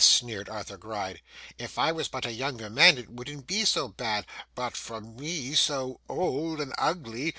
sneered Arthur Gride, 'If I was but a younger man it wouldn't be so bad; but for me, so old and ugly!